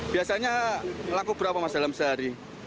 biasanya laku berapa mas dalam sehari